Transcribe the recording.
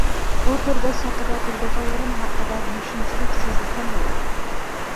بۇ تورداش ھەققىدە بىلىدىغانلىرىم ھەققىدە مۇشۇنچىلىك سۆزلىسەم بولار.